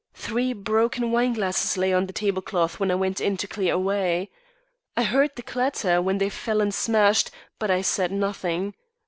Three broken wineglasses lay on the tablecloth when I went in to clear away. I heard the clatter when they fell and smashed, but I said nothing.